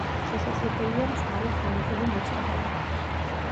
შესაძლებელია მწვავე ქრონიკული მოწამვლა.